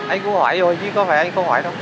anh cũng hỏi thôi chứ có phải anh không hỏi đâu